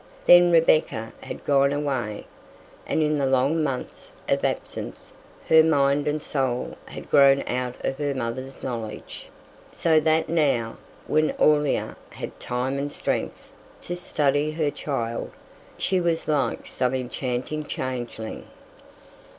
Then Rebecca had gone away, and in the long months of absence her mind and soul had grown out of her mother's knowledge, so that now, when Aurelia had time and strength to study her child, she was like some enchanting changeling.